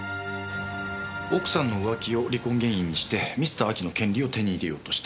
奥さんの浮気を離婚原因にして「ミスター・アキ」の権利を手に入れようとした。